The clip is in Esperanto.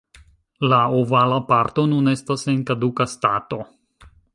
La ovala parto nun estas en kaduka stato.